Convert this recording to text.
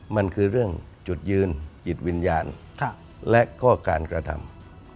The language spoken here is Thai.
มันคือเรื่องจุดยืนจิตวิญญาณและก็การกระทำ